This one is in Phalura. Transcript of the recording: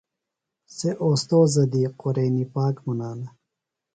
سےۡ استوذہ دی قرآنی پاک منانہ۔